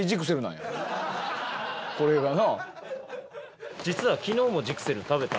これがな。